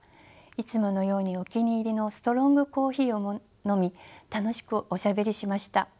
いつものようにお気に入りのストロングコーヒーを飲み楽しくおしゃべりしました。